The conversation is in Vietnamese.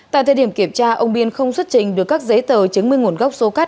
tại thời điểm kiểm tra ông biên không xuất trình được các giấy tờ chứng minh nguồn gốc số cát